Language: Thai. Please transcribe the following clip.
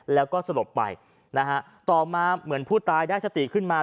แล้วก็สลบไปนะฮะต่อมาเหมือนผู้ตายได้สติขึ้นมา